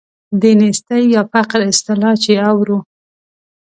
د نیستۍ یا فقر اصطلاح چې اورو.